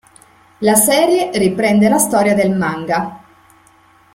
La serie riprende la storia del manga.